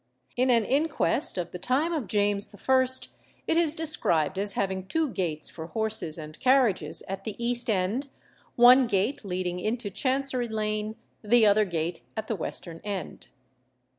In an inquest of the time of James I. it is described as having two gates for horses and carriages at the east end one gate leading into Chancery Lane, the other gate at the western end.